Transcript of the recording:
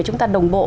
chúng ta đồng bộ